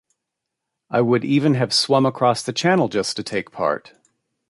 I would even have swum across the channel just to take part.